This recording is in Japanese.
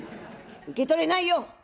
「受け取れないよ。